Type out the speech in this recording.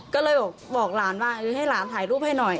ก็เลยบอกหลานว่าให้หลานถ่ายรูปให้หน่อย